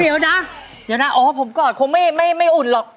เดี๋ยวนะอ๋อผมก่อนคงไม่อุ่นหรอก